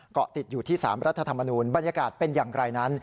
เกาะติดอยู่ที่๓รัฐธรรมนูญบรรยากาศเป็นอย่างไรนั้น